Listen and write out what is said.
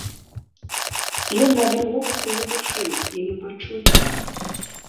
Ён рабіў вобыск яе душы, яе пачуццяў.